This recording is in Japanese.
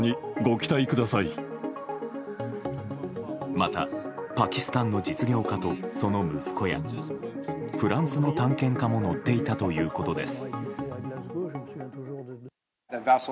また、パキスタンの実業家とその息子やフランスの探検家も乗っていたということです。